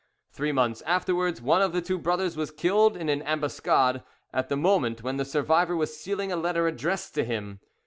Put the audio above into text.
Three months afterwards one of the two brothers was killed in an ambuscade at the moment when the survivor was sealing a letter addressed to him.